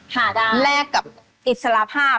หาได้แลกกับอิสระภาพ